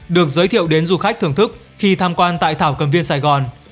được giới thiệu đến du khách thưởng thức khi tham quan tại thảo cầm viên sài gòn